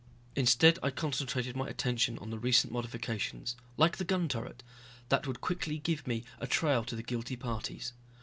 Instead I concentrated my attention on the recent modifications, like the gun turret, that would quickly give me a trail to the guilty parties.